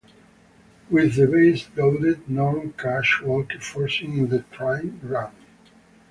With the bases loaded, Norm Cash walked, forcing in the tying run.